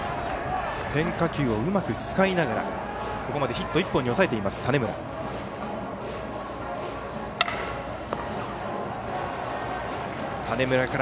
変化球をうまく使いながらここまでヒット１本に抑えている種村。